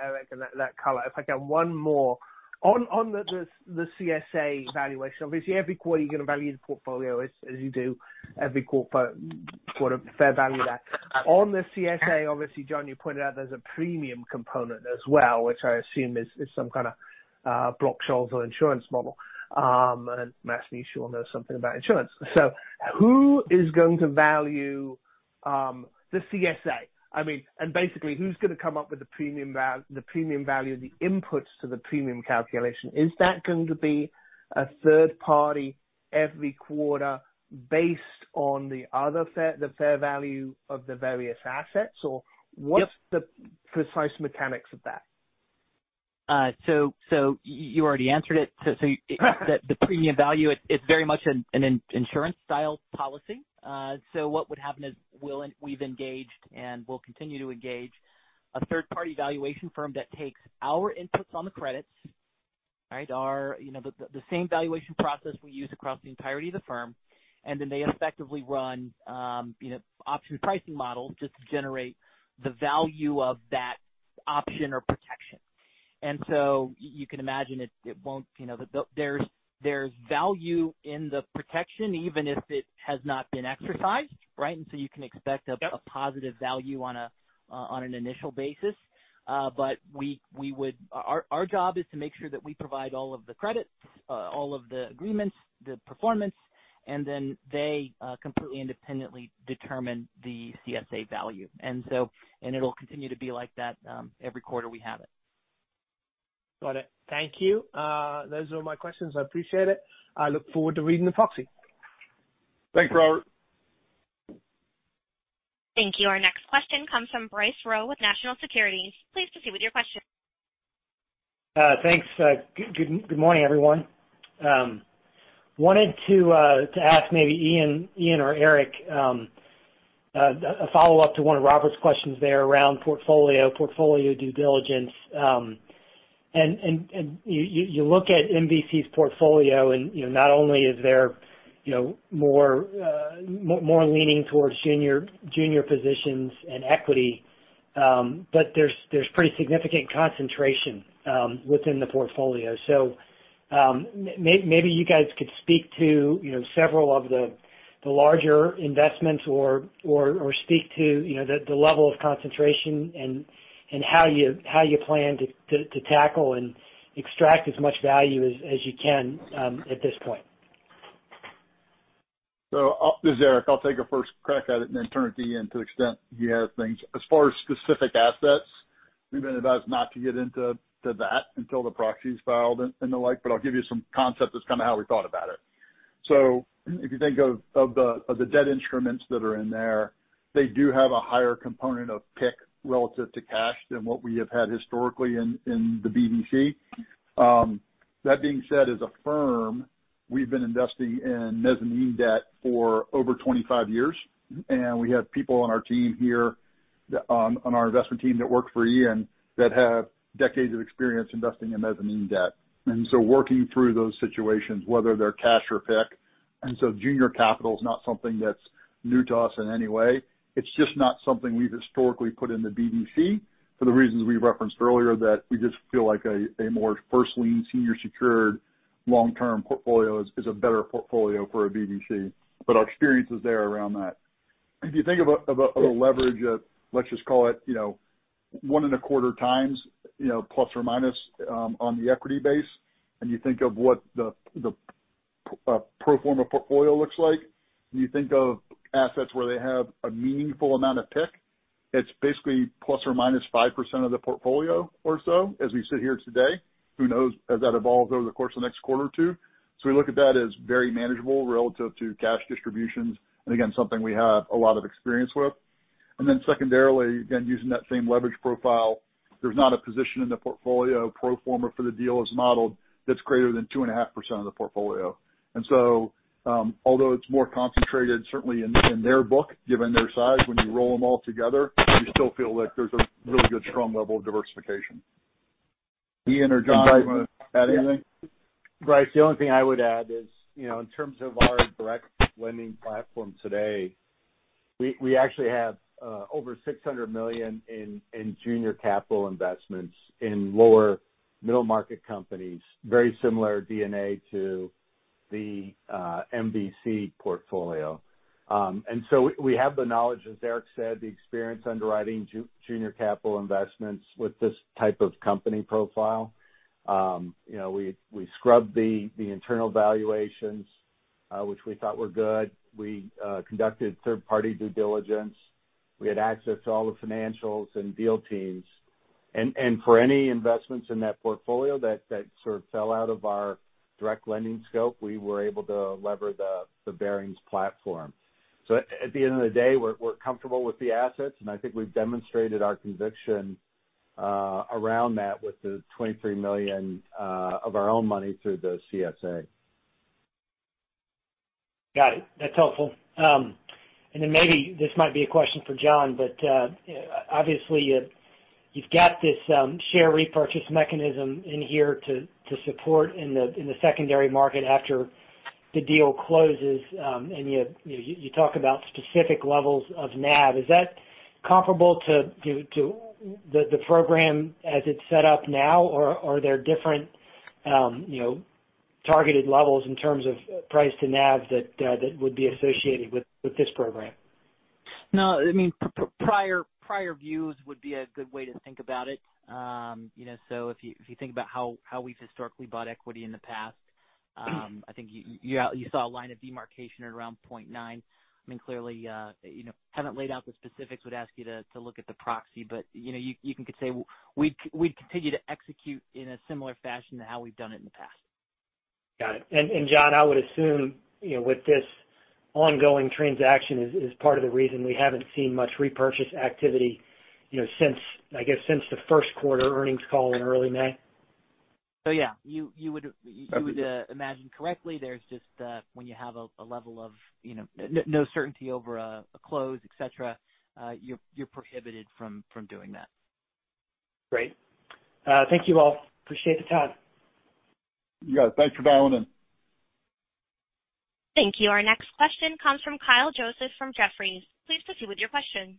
Speaker 6: Eric, and that color. If I get one more. On the CSA valuation, obviously every quarter you're going to value the portfolio as you do every quarter for the fair value of that. On the CSA, obviously, John, you pointed out there's a premium component as well, which I assume is some kind of Black-Scholes or insurance model. Naturally, you sure know something about insurance. Who is going to value the CSA? Basically, who's going to come up with the premium value of the inputs to the premium calculation? Is that going to be a third party every quarter based on the fair value of the various assets?
Speaker 2: Yep.
Speaker 6: What's the precise mechanics of that?
Speaker 4: You already answered it. The premium value, it's very much an insurance-style policy. What would happen is we've engaged, and we'll continue to engage a third-party valuation firm that takes our inputs on the credits. The same valuation process we use across the entirety of the firm. They effectively run option pricing models just to generate the value of that option or protection. You can imagine there's value in the protection even if it has not been exercised, right?
Speaker 6: Yep
Speaker 4: a positive value on an initial basis. Our job is to make sure that we provide all of the credits, all of the agreements, the performance, and then they completely independently determine the CSA value. It'll continue to be like that every quarter we have it.
Speaker 6: Got it. Thank you. Those are all my questions. I appreciate it. I look forward to reading the proxy.
Speaker 2: Thanks, Robert.
Speaker 1: Thank you. Our next question comes from Bryce Rowe with National Securities. Please proceed with your question.
Speaker 7: Thanks. Good morning, everyone. Wanted to ask maybe Ian or Eric, a follow-up to one of Robert's questions there around portfolio due diligence. You look at MVC's portfolio and not only is there more leaning towards junior positions and equity, but there's pretty significant concentration within the portfolio. Maybe you guys could speak to several of the larger investments or speak to the level of concentration and how you plan to tackle and extract as much value as you can at this point.
Speaker 2: This is Eric. I will take a first crack at it and then turn it to Ian to the extent he has things. As far as specific assets, we've been advised not to get into that until the proxy is filed and the like, but I'll give you some concept as to how we thought about it. If you think of the debt instruments that are in there, they do have a higher component of PIK relative to cash than what we have had historically in the BDC. That being said, as a firm, we've been investing in mezzanine debt for over 25 years, and we have people on our team here, on our investment team that worked for Ian, that have decades of experience investing in mezzanine debt. Working through those situations, whether they're cash or PIK, junior capital is not something that's new to us in any way. It's just not something we've historically put in the BDC for the reasons we referenced earlier, that we just feel like a more first lien, senior secured, long-term portfolio is a better portfolio for a BDC. Our experience is there around that. If you think of a leverage at, let's just call it 1.25x plus or minus on the equity base, and you think of what the pro forma portfolio looks like, and you think of assets where they have a meaningful amount of PIK, it's basically plus or minus 5% of the portfolio or so as we sit here today. Who knows as that evolves over the course of the next quarter or two. We look at that as very manageable relative to cash distributions, and again, something we have a lot of experience with. Secondarily, again, using that same leverage profile, there's not a position in the portfolio pro forma for the deal as modeled that's greater than 2.5% of the portfolio. Although it's more concentrated, certainly in their book, given their size, when you roll them all together, you still feel like there's a really good strong level of diversification. Ian or John, do you want to add anything?
Speaker 3: Bryce, the only thing I would add is, in terms of our direct lending platform today, we actually have over $600 million in junior capital investments in lower middle-market companies, very similar DNA to the MVC portfolio. We have the knowledge, as Eric said, the experience underwriting junior capital investments with this type of company profile. We scrubbed the internal valuations, which we thought were good. We conducted third-party due diligence. We had access to all the financials and deal teams. For any investments in that portfolio that sort of fell out of our direct lending scope, we were able to lever the Barings platform. At the end of the day, we're comfortable with the assets, and I think we've demonstrated our conviction around that with the $23 million of our own money through the CSA.
Speaker 7: Got it. That's helpful. Then maybe this might be a question for John, but, obviously, you've got this share repurchase mechanism in here to support in the secondary market after the deal closes. You talk about specific levels of NAV. Is that comparable to the program as it's set up now? Are there different targeted levels in terms of price to NAV that would be associated with this program?
Speaker 4: No, prior views would be a good way to think about it. If you think about how we've historically bought equity in the past, I think you saw a line of demarcation at around 0.9. Clearly, haven't laid out the specifics, would ask you to look at the proxy, but you could say we'd continue to execute in a similar fashion to how we've done it in the past.
Speaker 7: Got it. John, I would assume, with this ongoing transaction is part of the reason we haven't seen much repurchase activity, since, I guess, the first quarter earnings call in early May.
Speaker 4: Yeah. You would imagine correctly. There's just, when you have a level of no certainty over a close, et cetera, you're prohibited from doing that.
Speaker 7: Great. Thank you all. Appreciate the time.
Speaker 2: You got it. Thanks for dialing in.
Speaker 1: Thank you. Our next question comes from Kyle Joseph, from Jefferies. Please proceed with your question.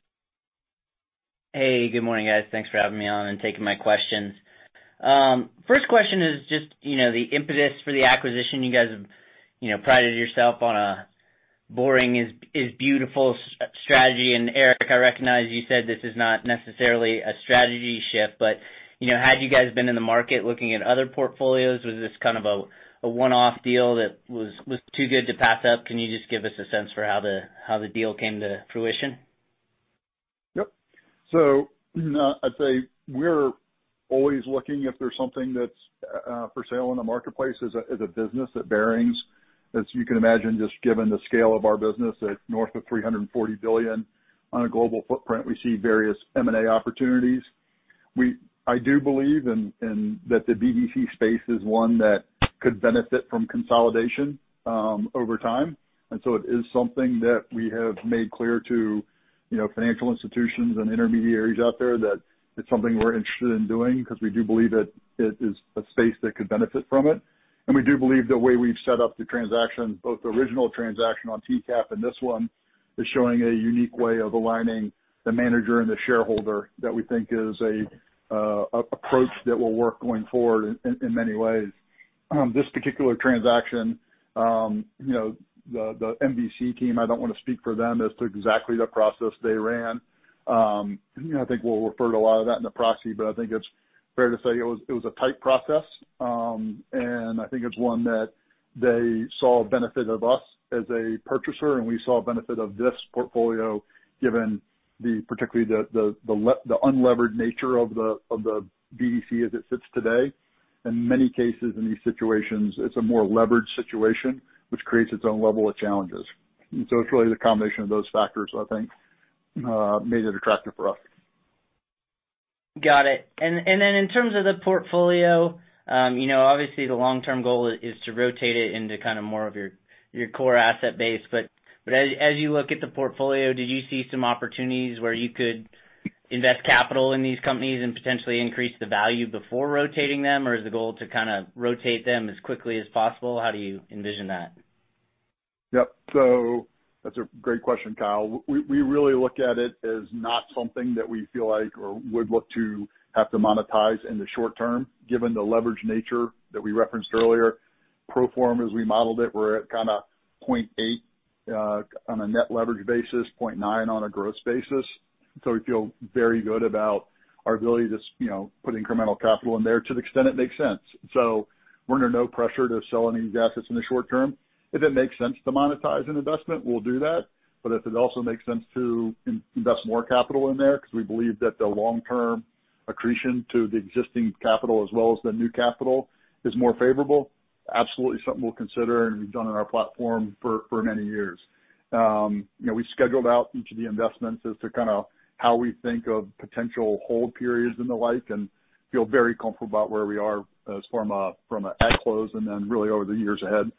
Speaker 8: Hey, good morning, guys. Thanks for having me on and taking my questions. First question is just the impetus for the acquisition. You guys have prided yourself on a boring is beautiful strategy. Eric, I recognize you said this is not necessarily a strategy shift, but had you guys been in the market looking at other portfolios? Was this kind of a one-off deal that was too good to pass up? Can you just give us a sense for how the deal came to fruition?
Speaker 2: Yep. I would say we're always looking if there's something that's for sale in the marketplace as a business at Barings. As you can imagine, just given the scale of our business at north of $340 billion on a global footprint, we see various M&A opportunities. I do believe in that the BDC space is one that could benefit from consolidation, over time. It is something that we have made clear to financial institutions and intermediaries out there that it's something we're interested in doing, because we do believe that it is a space that could benefit from it. We do believe the way we've set up the transaction, both the original transaction on TCAP and this one, is showing a unique way of aligning the manager and the shareholder that we think is an approach that will work going forward in many ways. This particular transaction, the MVC team, I don't want to speak for them as to exactly the process they ran. I think we'll refer to a lot of that in the proxy, but I think it's fair to say it was a tight process. I think it's one that they saw a benefit of us as a purchaser, and we saw a benefit of this portfolio given particularly the unlevered nature of the BDC as it sits today. In many cases, in these situations, it's a more leveraged situation, which creates its own level of challenges. It's really the combination of those factors, I think, made it attractive for us.
Speaker 8: Got it. In terms of the portfolio, obviously, the long-term goal is to rotate it into kind of more of your core asset base. As you look at the portfolio, did you see some opportunities where you could invest capital in these companies and potentially increase the value before rotating them? Is the goal to kind of rotate them as quickly as possible? How do you envision that?
Speaker 2: Yep. That's a great question, Kyle. We really look at it as not something that we feel like or would look to have to monetize in the short term, given the leverage nature that we referenced earlier. Pro forma, as we modeled it, we're at kind of 0.8 on a net leverage basis, 0.9 on a gross basis. We feel very good about our ability to put incremental capital in there to the extent it makes sense. We're under no pressure to sell any of these assets in the short term. If it makes sense to monetize an investment, we'll do that. If it also makes sense to invest more capital in there because we believe that the long-term accretion to the existing capital as well as the new capital is more favorable. Absolutely something we'll consider and we've done in our platform for many years. We scheduled out each of the investments as to kind of how we think of potential hold periods and the like, and feel very comfortable about where we are as from an at-close and then really over the years ahead.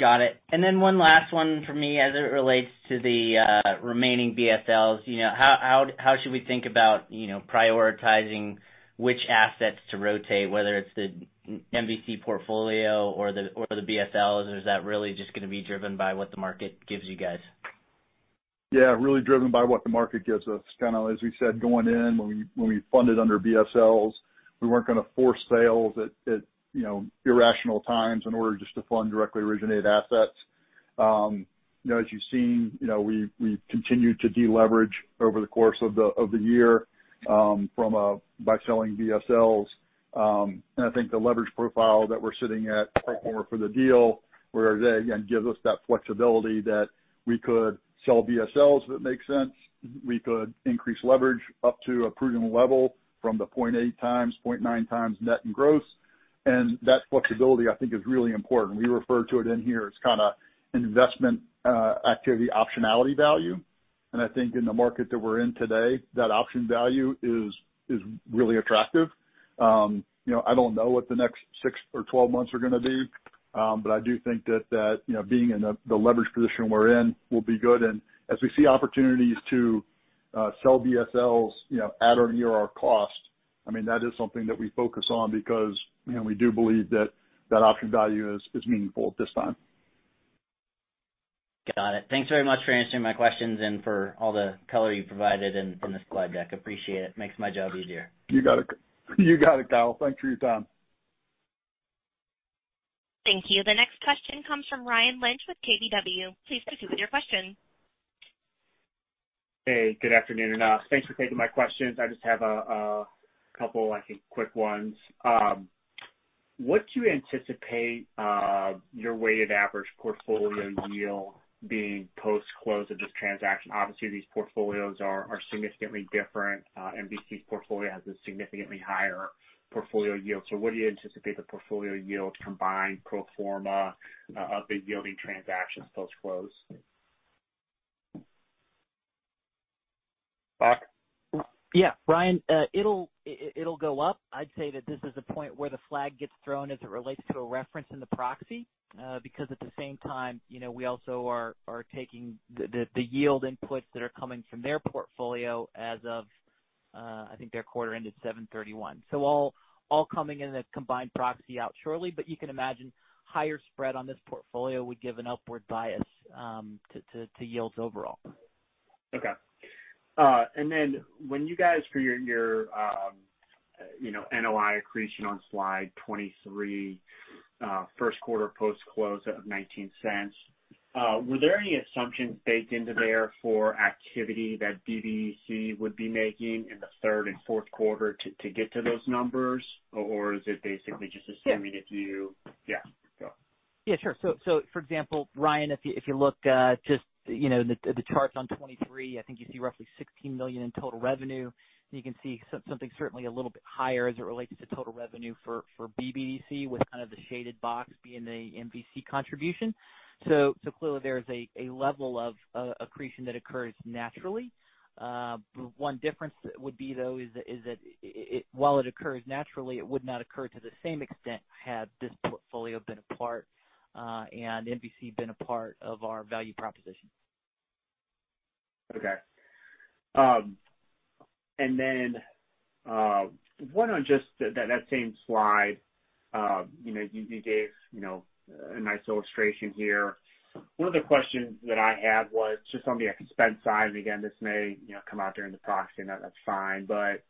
Speaker 8: Got it. One last one from me as it relates to the remaining BSLs. How should we think about prioritizing which assets to rotate, whether it's the MVC portfolio or the BSLs? Is that really just going to be driven by what the market gives you guys?
Speaker 2: Yeah, really driven by what the market gives us. Kind of as we said, going in, when we funded under BSLs, we weren't going to force sales at irrational times in order just to fund directly originated assets. As you've seen, we've continued to de-leverage over the course of the year by selling BSLs. I think the leverage profile that we're sitting at right now for the deal, where again, gives us that flexibility that we could sell BSLs if it makes sense. We could increase leverage up to a prudent level from the 0.8 times, 0.9 times net and gross. That flexibility, I think, is really important. We refer to it in here as kind of investment activity optionality value. I think in the market that we're in today, that option value is really attractive. I don't know what the next six or 12 months are going to be. I do think that being in the leverage position we're in will be good. As we see opportunities to sell BSLs at or near our cost, that is something that we focus on because we do believe that that option value is meaningful at this time.
Speaker 8: Got it. Thanks very much for answering my questions and for all the color you provided in this slide deck. Appreciate it. Makes my job easier.
Speaker 2: You got it, Kyle. Thanks for your time.
Speaker 1: Thank you. The next question comes from Ryan Lynch with KBW. Please proceed with your question.
Speaker 9: Hey, good afternoon, and thanks for taking my questions. I just have a couple, I think, quick ones. What do you anticipate your weighted average portfolio yield being post-close of this transaction? Obviously, these portfolios are significantly different. MVC's portfolio has a significantly higher portfolio yield. What do you anticipate the portfolio yield combined pro forma of the yielding transactions post-close?
Speaker 2: Bock?
Speaker 4: Yeah. Ryan, it'll go up. I'd say that this is a point where the flag gets thrown as it relates to a reference in the proxy. At the same time, we also are taking the yield inputs that are coming from their portfolio as of, I think their quarter ended 7/31. All coming in as combined proxy out shortly. You can imagine higher spread on this portfolio would give an upward bias to yields overall.
Speaker 9: Okay. When you guys, for your NII accretion on slide 23, first quarter post-close of $0.19, were there any assumptions baked into there for activity that BDC would be making in the third and fourth quarter to get to those numbers? Is it basically just assuming yeah, go.
Speaker 4: Yeah, sure. For example, Ryan, if you look just the charts on 23, I think you see roughly $16 million in total revenue. You can see something certainly a little bit higher as it relates to total revenue for BBDC with kind of the shaded box being the MVC contribution. Clearly there is a level of accretion that occurs naturally. One difference would be, though, is that while it occurs naturally, it would not occur to the same extent had this portfolio been a part, and MVC been a part of our value proposition.
Speaker 9: Okay. One on just that same slide. You gave a nice illustration here. One of the questions that I had was just on the expense side, and again, this may come out during the proxy, and that's fine, but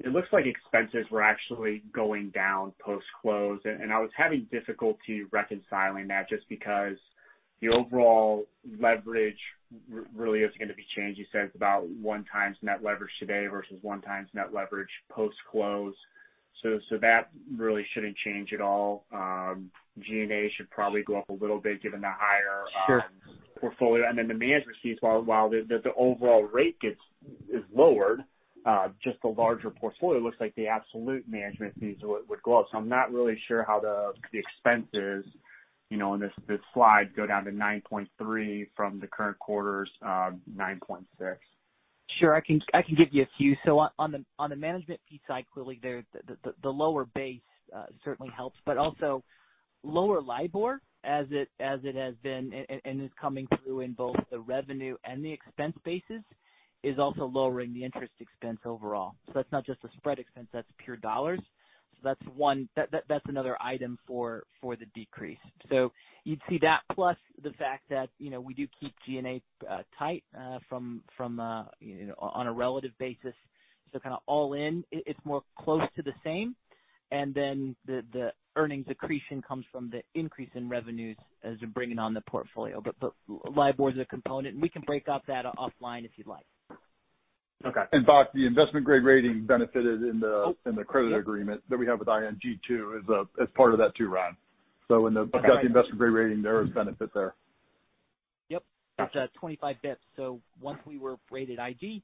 Speaker 9: it looks like expenses were actually going down post-close, and I was having difficulty reconciling that just because the overall leverage really isn't going to be changed. You said it's about one times net leverage today versus one times net leverage post-close. That really shouldn't change at all. G&A should probably go up a little bit given the higher-
Speaker 4: Sure
Speaker 9: portfolio. The management fees, while the overall rate is lowered, just the larger portfolio looks like the absolute management fees would go up. I'm not really sure how the expenses on this slide go down to $9.3 from the current quarter's $9.6.
Speaker 4: Sure. I can give you a few. On the management fee side, clearly the lower base certainly helps, but also lower LIBOR as it has been and is coming through in both the revenue and the expense bases, is also lowering the interest expense overall. That's not just a spread expense, that's pure dollars. That's another item for the decrease. You'd see that plus the fact that we do keep G&A tight on a relative basis. Kind of all in, it's more close to the same. The earnings accretion comes from the increase in revenues as we're bringing on the portfolio. LIBOR is a component, and we can break out that offline if you'd like.
Speaker 9: Okay.
Speaker 2: Bock, the investment-grade rating benefited in the credit agreement that we have with ING too, as part of that too, Ryan. When they got the investment-grade rating, there was benefit there.
Speaker 4: Yep. It's at 25 basis points. Once we were rated IG,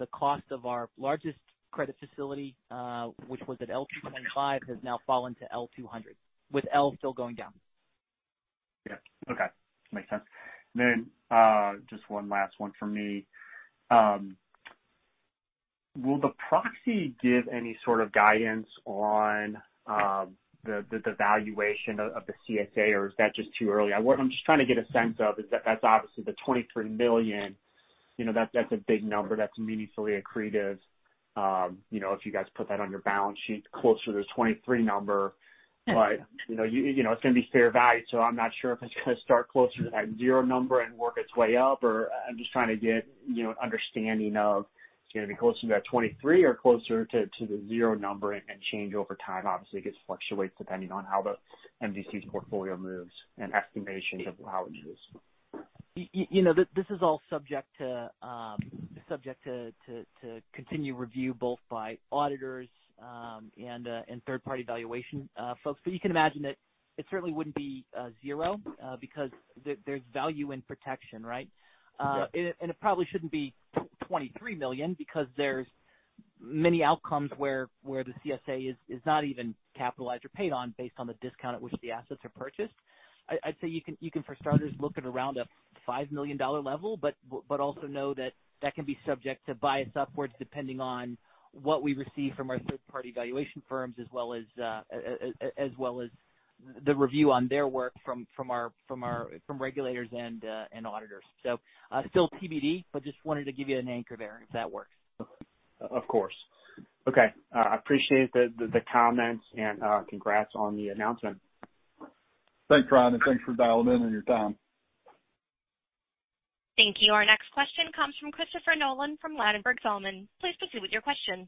Speaker 4: the cost of our largest credit facility, which was at L 225, has now fallen to L 200, with L still going down.
Speaker 9: Yeah. Okay. Makes sense. Just one last one from me. Will the proxy give any sort of guidance on the valuation of the CSA, or is that just too early? What I'm just trying to get a sense of is that that's obviously the $23 million. That's a big number, that's meaningfully accretive. If you guys put that on your balance sheet closer to the 23 number. It's going to be fair value, so I'm not sure if it's going to start closer to that zero number and work its way up, or I'm just trying to get an understanding of it's going to be closer to that 23 or closer to the zero number and change over time. Obviously, it fluctuates depending on how the MVC's portfolio moves and estimations of how it moves.
Speaker 4: This is all subject to continued review, both by auditors and third-party valuation folks. You can imagine that it certainly wouldn't be zero because there's value in protection, right?
Speaker 9: Yeah.
Speaker 4: It probably shouldn't be $23 million because there's many outcomes where the CSA is not even capitalized or paid on based on the discount at which the assets are purchased. I'd say you can, for starters, look at around a $5 million level, but also know that that can be subject to bias upwards depending on what we receive from our third-party valuation firms as well as the review on their work from regulators and auditors. Still TBD, but just wanted to give you an anchor there, if that works.
Speaker 9: Of course. Okay. I appreciate the comments and congrats on the announcement.
Speaker 2: Thanks, Ryan, and thanks for dialing in and your time.
Speaker 1: Thank you. Our next question comes from Christopher Nolan from Ladenburg Thalmann. Please proceed with your question.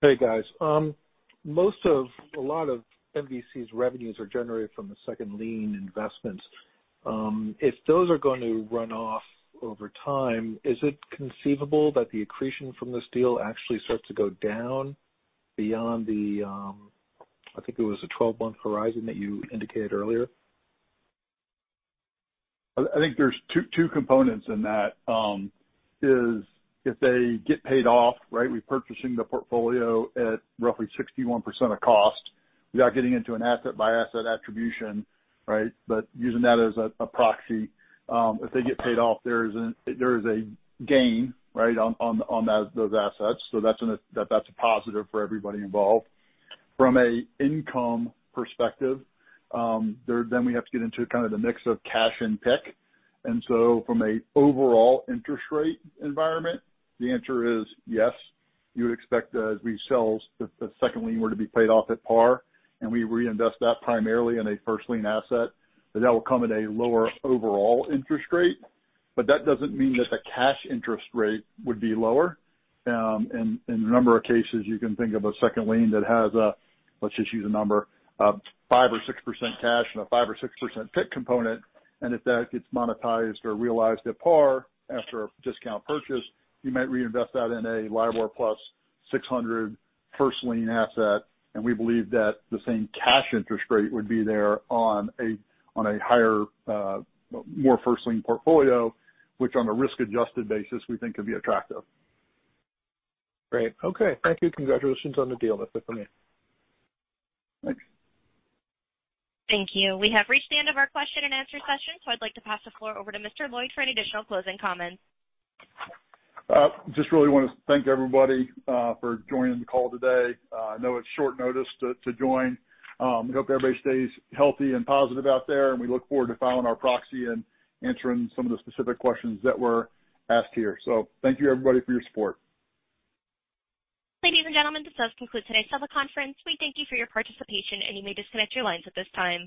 Speaker 10: Hey, guys. Most of a lot of MVC's revenues are generated from the second-lien investments. If those are going to run off over time, is it conceivable that the accretion from this deal actually starts to go down beyond the, I think it was a 12-month horizon that you indicated earlier?
Speaker 2: I think there's two components in that is if they get paid off, right? Repurchasing the portfolio at roughly 61% of cost without getting into an asset-by-asset attribution, right? Using that as a proxy. If they get paid off, there is a gain on those assets. That's a positive for everybody involved. From an income perspective, then we have to get into kind of the mix of cash and PIK. From an overall interest rate environment, the answer is yes. You would expect as we sell, if the second lien were to be paid off at par and we reinvest that primarily in a first-lien asset, that that will come at a lower overall interest rate. That doesn't mean that the cash interest rate would be lower. In a number of cases, you can think of a second lien that has a, let's just use a number, 5% or 6% cash and a 5% or 6% PIK component. If that gets monetized or realized at par after a discount purchase, you might reinvest that in a LIBOR plus 600 first-lien asset. We believe that the same cash interest rate would be there on a higher, more first-lien portfolio, which, on a risk-adjusted basis, we think could be attractive.
Speaker 10: Great. Okay. Thank you. Congratulations on the deal. That's it for me.
Speaker 2: Thanks.
Speaker 1: Thank you. We have reached the end of our question and answer session. I'd like to pass the floor over to Mr. Lloyd for any additional closing comments.
Speaker 2: Really want to thank everybody for joining the call today. I know it's short notice to join. We hope everybody stays healthy and positive out there, and we look forward to filing our proxy and answering some of the specific questions that were asked here. Thank you, everybody, for your support.
Speaker 1: Ladies and gentlemen, this does conclude today's teleconference. We thank you for your participation, and you may disconnect your lines at this time.